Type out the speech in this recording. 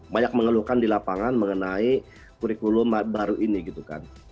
banyak mengeluhkan di lapangan mengenai kurikulum baru ini gitu kan